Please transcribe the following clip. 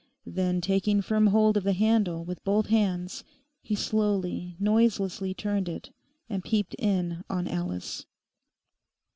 Then, taking firm hold of the handle with both hands, he slowly noiselessly turned it, and peeped in on Alice.